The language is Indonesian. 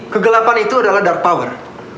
kegelapan itu adalah dark power